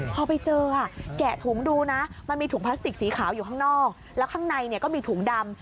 พอไปเจอแกะถุงดูนะมันมีถุงพลาสติกสีขาวอยู่ข้างนอกแล้วข้างในก็มีถุงดำ